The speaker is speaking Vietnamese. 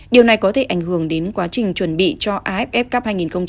điều này có thể ảnh hưởng đến quá trình chuẩn bị cho aff cup hai nghìn hai mươi bốn